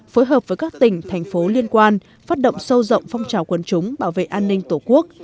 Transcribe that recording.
phối hợp với các tỉnh thành phố liên quan phát động sâu rộng phong trào quân chúng bảo vệ an ninh tổ quốc